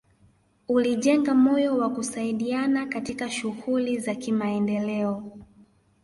Ulijenga moyo wa kusaidiana katika shughuli za kimaendeleo